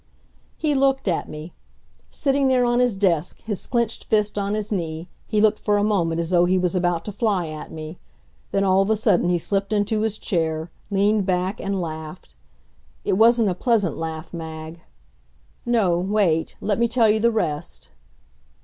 He looked at me. Sitting there on his desk, his clenched fist on his knee, he looked for a moment as though he was about to fly at me. Then all of a sudden he slipped into his chair, leaned back and laughed. It wasn't a pleasant laugh, Mag. No wait. Let me tell you the rest.